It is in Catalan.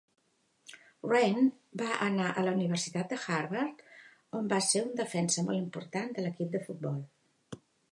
Wrenn va anar a la Universitat de Harvard on va ser un defensa molt important de l"equip de futbol.